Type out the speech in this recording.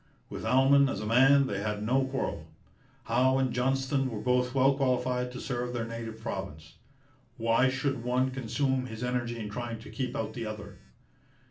With Almon as a man they had no quarrel. Howe and Johnston were both well qualified to serve their native province. Why should one consume his energy in trying to keep out the other?